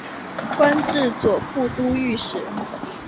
官至左副都御史。